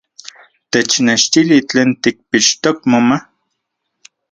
¡Technechtili tlen tikpixtok moma!